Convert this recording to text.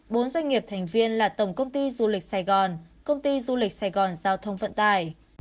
bốn doanh nghiệp thành viên là tổng công ty du lịch sài gòn công ty du lịch sài gòn giao thông vận tải